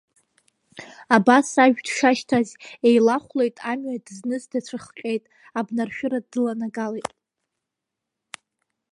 Абас ажә дшашьҭаз еилахәылеит, амҩа дызныз дацәыхҟьеит, абнаршәыра дыланагалеит.